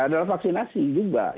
adalah vaksinasi juga